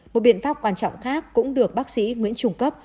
một biện pháp quan trọng khác cũng được bác sĩ nguyễn trung cấp